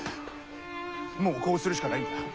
もうこうするしかないんじゃ。